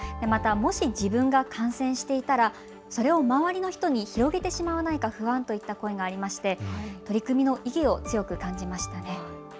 また、もし自分が感染していたらそれを周りの人に広げてしまわないか不安といった声がありまして取り組みの意義を強く感じましたね。